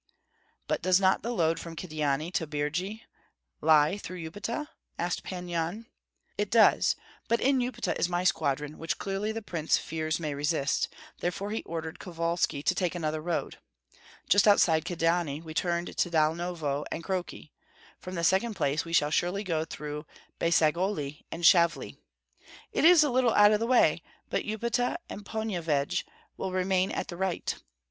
"But does not the load from Kyedani to Birji lie through Upita?" asked Pan Yan. "It does. But in Upita is my squadron, which clearly the prince fears may resist, therefore he ordered Kovalski to take another road. Just outside Kyedani we turned to Dalnovo and Kroki; from the second place we shall go surely through Beysagoli and Shavli. It is a little out of the way, but Upita and Ponyevyej will remain at the right.